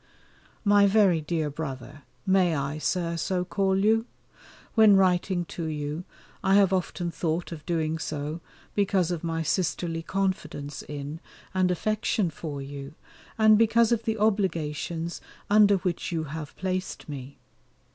My very dear brother, may I, Sir, so call you? When writing to you, I have often thought of doing so because of my sisterly confidence in, and affection for you, and because of the obligations under which you have placed me.